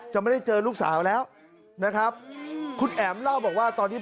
ไม่ได้เจอลูกสาวแล้วนะครับคุณแอ๋มเล่าบอกว่าตอนที่